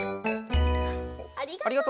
ありがとう！